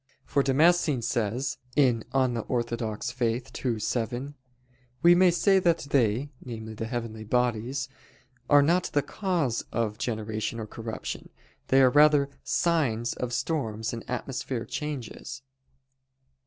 For Damascene says (De Fide Orth. ii, 7): "We say that they" namely, the heavenly bodies "are not the cause of generation or corruption: they are rather signs of storms and atmospheric changes."